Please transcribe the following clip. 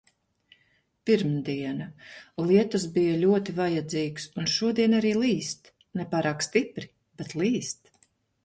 Pirmdiena. Lietus bija ļoti vajadzīgs. Un šodien arī līst. Ne pārāk stipri, bet līst.